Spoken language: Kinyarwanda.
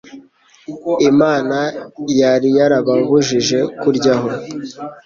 Imana yari yarababujije kuryaho,